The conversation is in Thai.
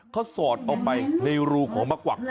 เขาสอดเอาไปในรูของมะกวัก